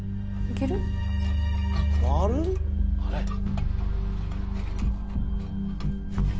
あれ？